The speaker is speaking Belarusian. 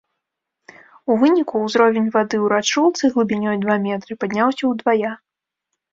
У выніку, узровень вады ў рачулцы глыбінёй два метры падняўся ўдвая.